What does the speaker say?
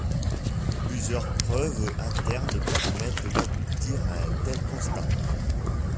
Plusieurs preuves internes permettent d’aboutir à un tel constat.